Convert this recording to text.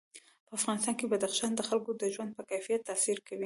په افغانستان کې بدخشان د خلکو د ژوند په کیفیت تاثیر کوي.